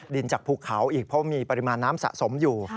จากภูเขาอีกเพราะมีปริมาณน้ำสะสมอยู่